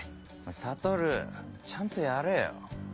悟ちゃんとやれよ。